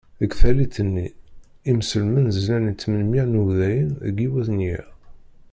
Deg tallit-nni, imselmen zlan i tmen-mya n Wudayen deg yiwen n yiḍ.